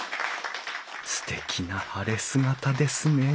すてきな晴れ姿ですねえ。